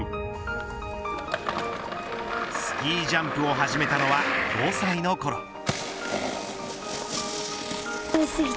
スキージャンプを始めたのは５歳のころ。